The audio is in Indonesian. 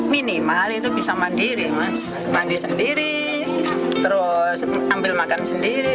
minimal itu bisa mandiri mas mandi sendiri terus ambil makan sendiri